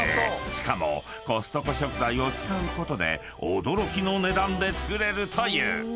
［しかもコストコ食材を使うことで驚きの値段で作れるという］